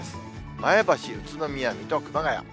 前橋、宇都宮、水戸、熊谷。